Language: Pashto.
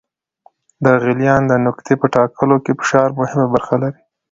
د غلیان د نقطې په ټاکلو کې فشار مهمه برخه لري.